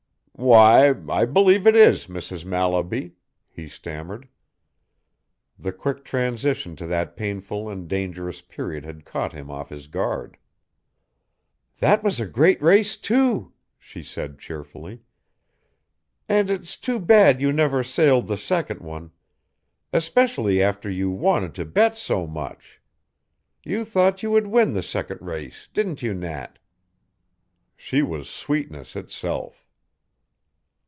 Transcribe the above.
"Why, I believe it is, Mrs. Mallaby," he stammered. The quick transition to that painful and dangerous period had caught him off his guard. "That was a great race, too," she said cheerfully, "and it's too bad you never sailed the second one. Especially after you wanted to bet so much. You thought you would win the second race, didn't you, Nat?" She was sweetness itself.